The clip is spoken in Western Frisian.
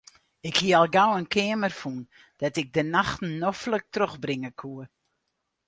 Ik hie al gau in keamer fûn dêr't ik de nachten noflik trochbringe koe.